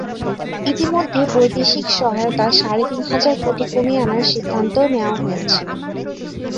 ইতিমধ্যে বৈদেশিক সহায়তা সাড়ে তিন হাজার কোটি কমিয়ে আনার সিদ্ধান্ত নেওয়া হয়েছে।